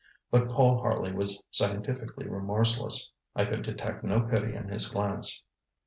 But Paul Harley was scientifically remorseless. I could detect no pity in his glance.